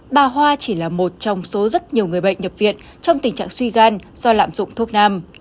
bà hoa chỉ là một trong số rất nhiều người bệnh nhập viện trong tình trạng suy gan do lạm dụng thuốc nam